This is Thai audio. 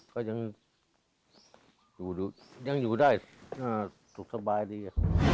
ก็ยังอยู่ยังอยู่ได้สุขสบายดี